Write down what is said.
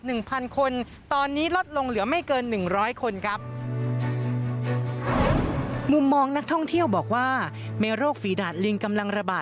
พระปางสามยอดที่เป็นจุดไฮไลท์ที่นักท่องเที่ยวทั้งชาวไทยและต่างชาติต้องมาถ่ายรูป